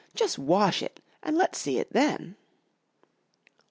"Jus' wash it an' let's see it then."